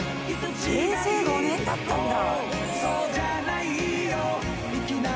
平成５年だったんだ！